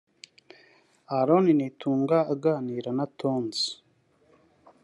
Aaron Nitunga aganira na Tonzi